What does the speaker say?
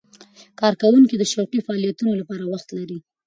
کارکوونکي د شوقي فعالیتونو لپاره وخت لري.